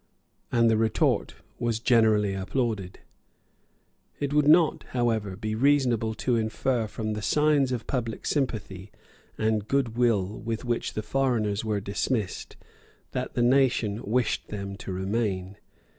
And the retort was generally applauded. It would not, however, be reasonable to infer from the signs of public sympathy and good will with which the foreigners were dismissed that the nation wished them to remain.